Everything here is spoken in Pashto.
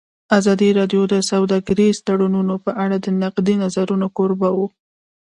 ازادي راډیو د سوداګریز تړونونه په اړه د نقدي نظرونو کوربه وه.